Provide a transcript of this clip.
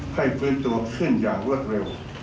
ให้ฟื้นตัวขึ้นอย่างรวดเร็ว